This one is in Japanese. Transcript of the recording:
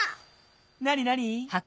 なになに？